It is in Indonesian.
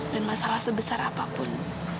dan masalah sebesar apapun